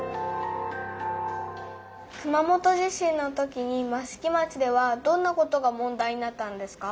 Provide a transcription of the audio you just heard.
熊本地震のときに益城町ではどんなことが問題になったんですか？